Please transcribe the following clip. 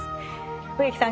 植木さん